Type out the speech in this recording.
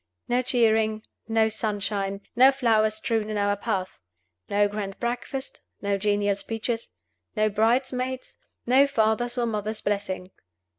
No cheering; no sunshine; no flowers strewn in our path; no grand breakfast; no genial speeches; no bridesmaids; no fathers or mother's blessing.